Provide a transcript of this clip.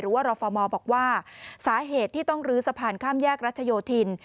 รู้ว่ารอฟอร์มอร์บอกว่าสาเหตุที่ต้องลื้อสะพานข้ามแยกรัชโยธิน